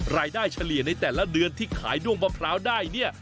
เฉลี่ยในแต่ละเดือนที่ขายด้วงมะพร้าวได้เนี่ย